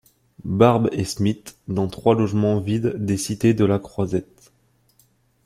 Barbe et Smitt dans trois logements vides des cités de la Croisette.